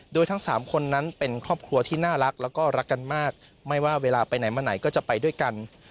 โดยทั้งสามคนนั้นเป็นครอบครัวที่น่ารักแล้วก็รักกันมากไม่ว่าเวลาไปไหนมาไหนก็จะไปด้วยกัน